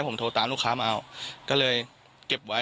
ฟังเสียงลูกจ้างรัฐตรเนธค่ะ